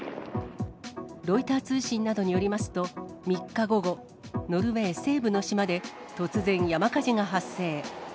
ロイター通信などによりますと、３日午後、ノルウェー西部の島で突然、山火事が発生。